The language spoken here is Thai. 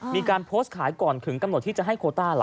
มีการโพสต์ขายก่อนถึงกำหนดที่จะให้โคต้าเหรอ